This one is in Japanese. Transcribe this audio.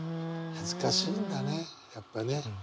恥ずかしいんだねやっぱね。